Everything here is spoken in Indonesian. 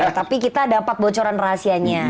oke tapi kita dapat bocoran rahasianya